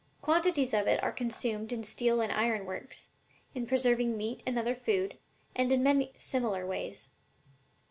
Quantities of it are consumed in steel and iron works, in preserving meat and other food, and in many similar ways.